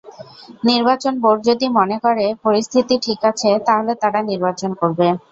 নির্বাচন বোর্ড যদি মনে করে, পরিস্থিতি ঠিক আছে তাহলে তারা নির্বাচন করবে।